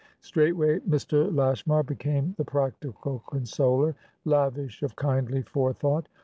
Straightway Mr. Lashmar became the practical consoler, lavish of kindly forethought.